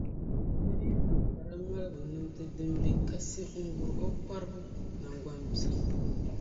Nir’ yi zaŋ sara maligu nimdi din be kasi n-gur’ o kparibu naŋgbambili.